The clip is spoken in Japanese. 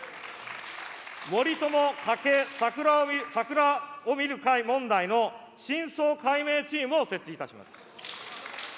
森友・加計・桜をみる会問題の真相解明チームを設置いたします。